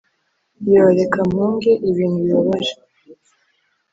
yoo, reka mpunge ibintu bibabaje,